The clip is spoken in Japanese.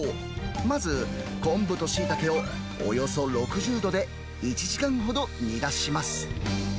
まず昆布とシイタケをおよそ６０度で１時間ほど煮出します。